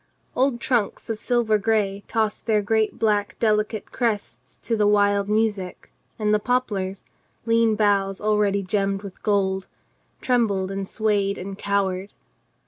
Old trunks of silver gray tossed their great black deli cate crests to the wild music, and the poplars, lean boughs already gemmed with gold, trembled and swayed and cowered.